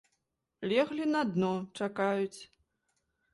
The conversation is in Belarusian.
Леглі на дно, чакаюць.